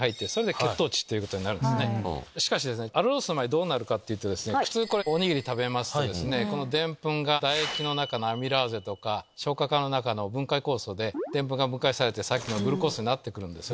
しかしアルロースの場合どうなるかというとおにぎり食べますとデンプンが唾液の中のアミラーゼとか消化管の中の分解酵素でデンプンが分解されてグルコースになってくるんです。